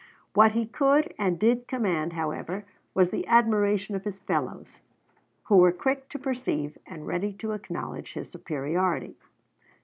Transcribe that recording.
What he could and did command however was the admiration of his fellows, who were quick to perceive and ready to acknowledge his superiority.